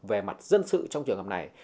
về mặt dân sự trong trường hợp này